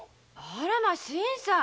あら新さん。